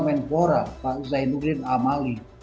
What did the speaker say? menkwora pak zainuddin amali